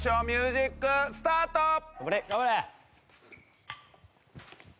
ミュージックスタート！